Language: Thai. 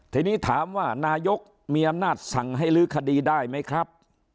ทีนี้ถามว่านายกมีอำนาจสั่งให้ลื้อคดีได้ไหมครับ